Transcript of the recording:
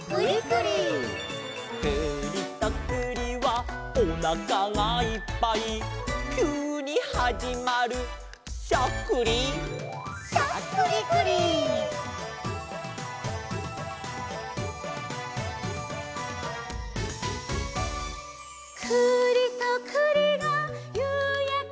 「くりとくりはおなかがいっぱい」「きゅうにはじまるしゃっくり」「」「くりとくりがゆうやけみながら」